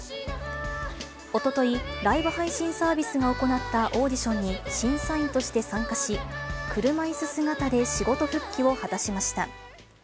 おととい、ライブ配信サービスが行ったオーディションに審査員として参加し、車いす姿で仕事復帰を果たしました。